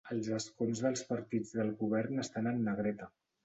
Els escons dels partits del govern estan en negreta.